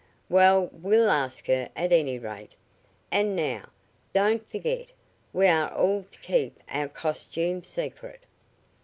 "Well, we'll ask her, at any rate. And, now, don't forget, we are all to keep our costumes secret."